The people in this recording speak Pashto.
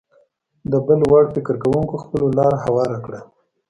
دا بل وړ فکر کوونکو ځپلو لاره هواره کړه